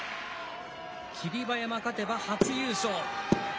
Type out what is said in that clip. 霧馬山、勝てば初優勝。